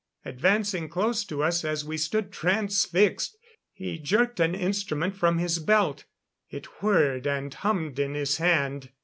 Advancing close to us as we stood transfixed, he jerked an instrument from his belt. It whirred and hummed in his hand.